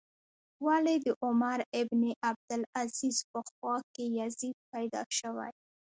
ولې د عمر بن عبدالعزیز په خوا کې یزید پیدا شوی.